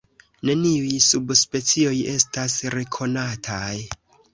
Neniuj subspecioj estas rekonataj.